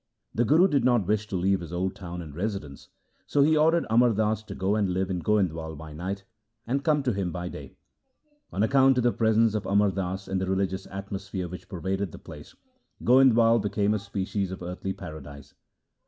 The Guru did not wish to leave his old town and residence, so he ordered Amar Das to go and live in Goindwal by night, and LIFE OF GURU ANGAD 35 come to him by day. On account of the presence of Amar Das and the religious atmosphere which pervaded the place, Goindwal became a species of earthly paradise.